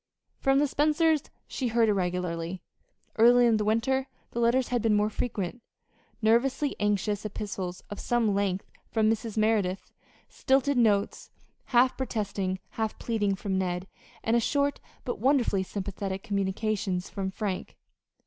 From the Spencers she heard irregularly. Earlier in the winter the letters had been more frequent: nervously anxious epistles of some length from Mrs. Merideth; stilted notes, half protesting, half pleading, from Ned; and short, but wonderfully sympathetic communications from Frank.